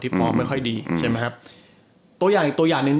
ที่ปลอบไม่ค่อยดีอืมใช่ไหมครับตัวอย่างอีกตัวอย่างนึง